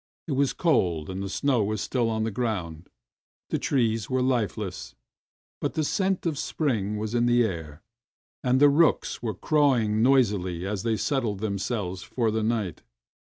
It was cold and the snow was still on the ground, the trees were lifeless, but the scent of spring was in the air, and the rooks were cawing noisily as they settled themselves for the night.